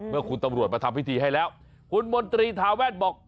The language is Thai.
เมื่อคุณตำรวจมาทำพิธีให้แล้วคุณมนตรีทาแวดบอก